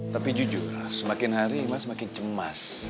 tapi jujur semakin hari mas makin cemas